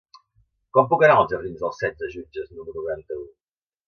Com puc anar als jardins d'Els Setze Jutges número noranta-u?